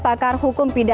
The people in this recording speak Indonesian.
pakar hukum pidana